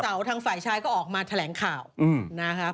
วันเสาร์ทางฝ่ายชายก็ออกมาแถลงข่าวนะครับ